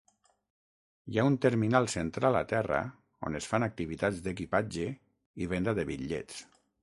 Hi ha un terminal central a terra on es fan activitats d'equipatge i venda de bitllets.